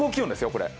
これ。